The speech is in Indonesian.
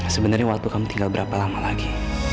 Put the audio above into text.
sebenernya waktu kamu tinggal berapa lama lagi